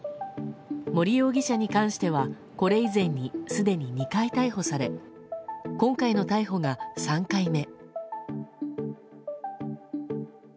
森容疑者に関してはこれ以前にすでに２回逮捕され今回の逮捕が３回目。